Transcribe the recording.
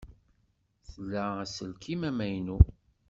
Tla aselkim amaynu?